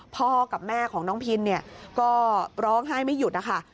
พ่อกับแม่ของน้องพินเนี่ยก็ร้องไห้ไม่หยุดนะคะ